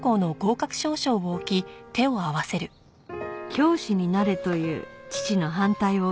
教師になれという父の反対を押し切り